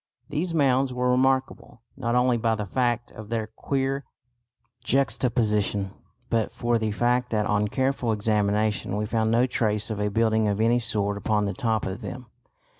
These mounds were remarkable not only by the fact of their queer juxtaposition but for the fact that on careful examination we found no trace of a building of any sort upon the top of them.